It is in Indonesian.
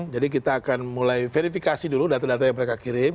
jadi kita akan mulai verifikasi dulu data data yang mereka kirim